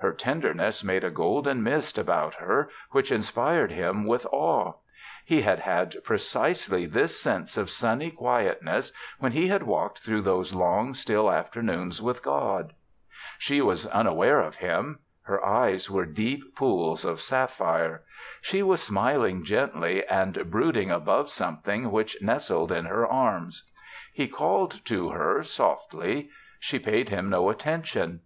Her tenderness made a golden mist about her which inspired him with awe. He had had precisely this sense of sunny quietness when he had walked through those long, still afternoons with God. She was unaware of him. Her eyes were deep pools of sapphire. She was smiling gently and brooding above something which nestled in her arms. He called to her softly; she paid him no attention.